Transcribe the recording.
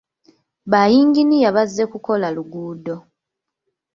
Bayinginiya bazze ku kukola luguudo.